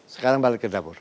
sekarang balik ke dapur